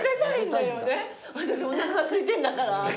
私おなかがすいてんだから。